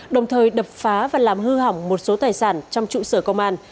đồng thời đập phá và làm hư hỏng một số tài sản trong trụ sở công an